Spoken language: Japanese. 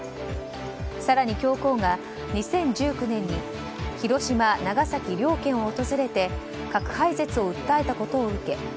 更に教皇が２０１９年に広島・長崎両県を訪れて核廃絶を訴えたことを受け